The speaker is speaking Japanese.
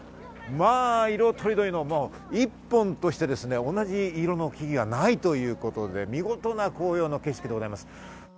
色とりどりの１本として同じ色の木がないということで見事な紅葉の景色でございます。